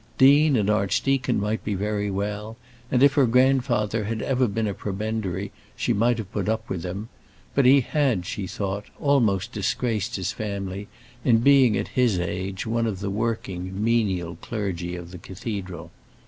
Dean and archdeacon might be very well, and if her grandfather had even been a prebendary, she might have put up with him; but he had, she thought, almost disgraced his family in being, at his age, one of the working menial clergy of the cathedral.